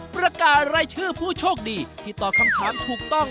ประกาศรายชื่อผู้โชคดีที่ตอบคำถามถูกต้อง